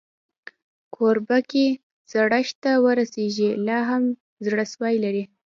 کوربه که زړښت ته ورسېږي، لا هم زړهسوی لري.